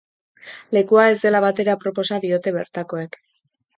Lekua ez dela batere aproposa diote bertakoek.